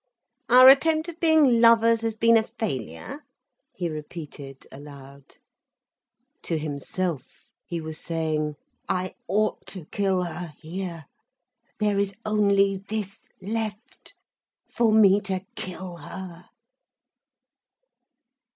"Our attempt at being lovers has been a failure?" he repeated aloud. To himself he was saying, "I ought to kill her here. There is only this left, for me to kill her."